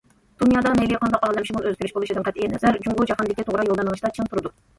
دۇنيادا مەيلى قانداق ئالەمشۇمۇل ئۆزگىرىش بولۇشىدىن قەتئىينەزەر، جۇڭگو جاھاندىكى توغرا يولدا مېڭىشتا چىڭ تۇرىدۇ.